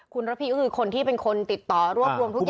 คุณระพีก็คือคนที่เป็นคนติดต่อรวบรวมทุกอย่าง